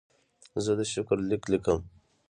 زه د شکر لیک لیکم.